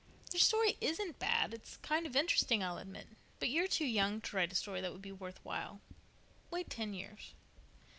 Your story isn't bad—it's kind of interesting, I'll admit. But you're too young to write a story that would be worth while. Wait ten years."